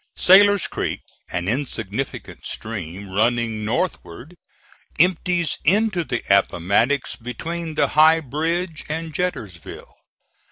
Sailor's Creek, an insignificant stream, running northward, empties into the Appomattox between the High Bridge and Jetersville.